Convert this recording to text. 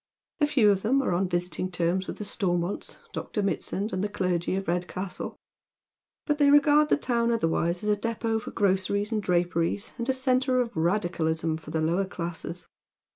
A few of them are on visiting terms with the Stormonts, Dr. Mitaand, and the clergy of Kedcastle ; but they regard the town other\vise ^as a depot for groceries and draperies, and a centre of Radicalism for the lower classes.